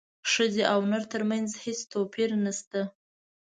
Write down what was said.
ښځې او نر ترمنځ هیڅ توپیر نشته